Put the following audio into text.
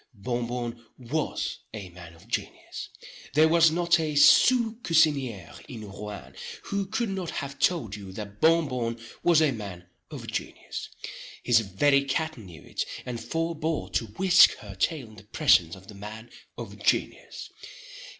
Bon Bon was a man of genius. There was not a sous cusinier in Rouen, who could not have told you that Bon Bon was a man of genius. His very cat knew it, and forebore to whisk her tail in the presence of the man of genius.